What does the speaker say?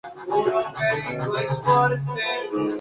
Britney Spears.